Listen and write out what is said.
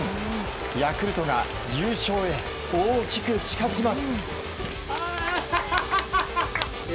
ヤクルトが優勝へ大きく近づきます。